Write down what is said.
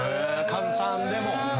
カズさんでも。